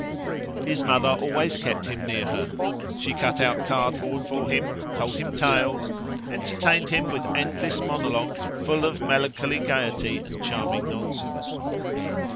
His mother always kept him near her; she cut out cardboard for him, told him tales, entertained him with endless monologues full of melancholy gaiety and charming nonsense.